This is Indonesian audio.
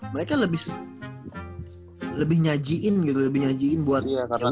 mereka lebih nyajiin gitu lebih nyajiin buat orang lain